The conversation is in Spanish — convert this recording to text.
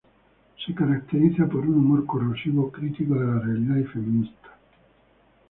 Se caracteriza por un humor corrosivo, crítico de la realidad y feminista.